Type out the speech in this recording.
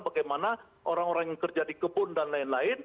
bagaimana orang orang yang kerja di kebun dan lain lain